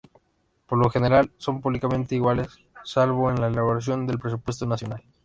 Por lo general son políticamente iguales, salvo en la elaboración del presupuesto nacional.